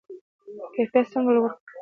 کیفیت څنګه لوړ کړو؟